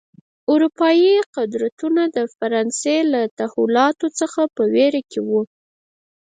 اروپايي قدرتونه د فرانسې له تحولاتو څخه په وېره کې و.